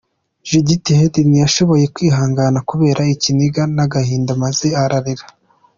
Judith Heard ntiyashoboye kwihangana kubera ikiniga n’agahinda maze ararira.